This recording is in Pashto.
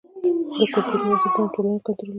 کلتوري ارزښتونه ټولنه کنټرولوي.